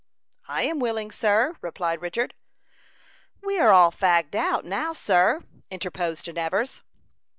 "I am willing, sir," replied Richard. "We are all fagged out, now, sir," interposed Nevers.